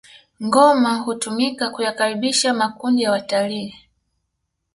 ngoma hutumika kuyakaribisha makundi ya watalii